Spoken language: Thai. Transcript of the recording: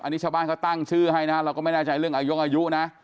อันนี้ชาวบ้านเขาตั้งชื่อให้นะเราก็ไม่แน่ใจเรื่องอายุนะ